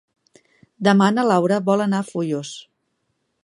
Demà na Laura vol anar a Foios.